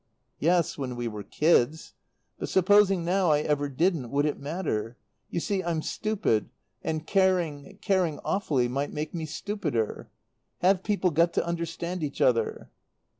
"Yes, when we were kids. But supposing now I ever didn't, would it matter? You see, I'm stupid, and caring caring awfully might make me stupider. Have people got to understand each other?"